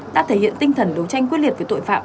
đã thể hiện tinh thần đấu tranh quyết liệt với tội phạm